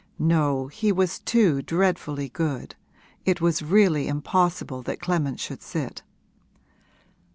No, he was too dreadfully good; it was really impossible that Clement should sit.